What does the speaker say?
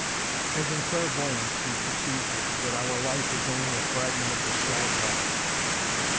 As in clairvoyance he perceived it: that our life is only a fragment of the shell of life.